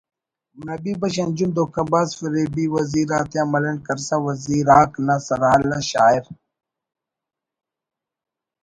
نبی بخش انجم دھوکہ باز فریبی وزیر آتیا ملنڈ کرسا ”وزیرآک“ نا سرحال آ شاعر